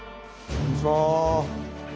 こんにちは。